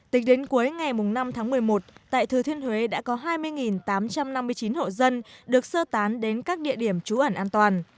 tính đến cuối ngày năm tháng một mươi một tại thừa thiên huế đã có hai mươi tám trăm năm mươi chín hộ dân được sơ tán đến các địa điểm trú ẩn an toàn